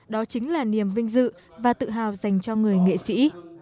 đó chính là niềm vinh dự và tự hào dành cho người nghệ sĩ